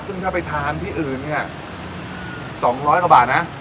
ซึ่งถ้าไปทานที่อื่นเนี่ย๒๐๐กว่าบาทนะ